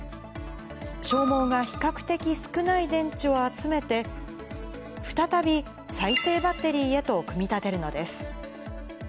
消耗が比較的少ない電池を集めて、再び再生バッテリーへと組み立てるのです。